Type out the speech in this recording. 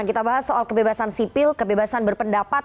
kita bahas soal kebebasan sipil kebebasan berpendapat